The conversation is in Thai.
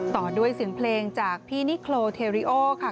ต่อด้วยเสียงเพลงจากพี่นิโครเทริโอค่ะ